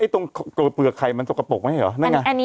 ตรงตัวเปลือกไข่มันจะกระปกไม่ใช่เหรอ